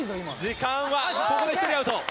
時間はここで１人アウト。